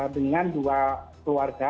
dengan dua keluarga